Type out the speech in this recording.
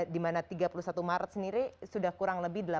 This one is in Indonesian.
di mana tiga puluh satu maret sendiri sudah kurang lebih